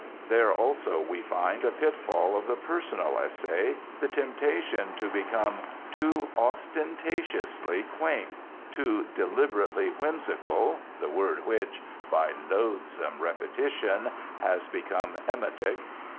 There also we find a pitfall of the personal essay the temptation to become too ostentatiously quaint, too deliberately 'whimsical' (the word which, by loathsome repetition, has become emetic).